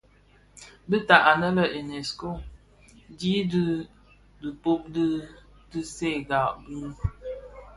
Bi tad anë lè Unesco dii di dhipud di tiisènga bi.